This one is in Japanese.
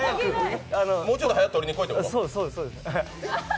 もうちょっと早く取りに来いってこと？